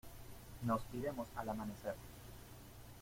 nos iremos al amanecer.